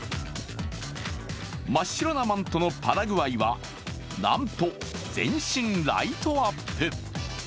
真っ白なマントのパラグアイは、なんと全身ライトアップ。